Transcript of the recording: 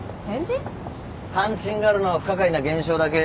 関心があるのは不可解な現象だけ。